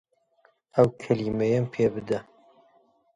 ئەو کامێرایەم پێ بدە.